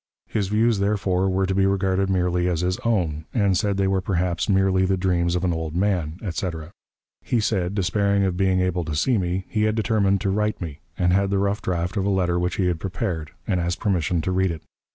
His views, therefore, were to be regarded merely as his own, and said they were perhaps merely the dreams of an old man, etc. He said, despairing of being able to see me, he had determined to write to me, and had the rough draft of a letter which he had prepared, and asked permission to read it.